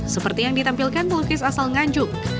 seperti yang ditampilkan pelukis asal nganjuk